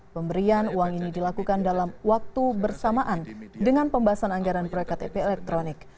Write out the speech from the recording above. pemberian uang ini dilakukan dalam waktu bersamaan dengan pembahasan anggaran proyek ktp elektronik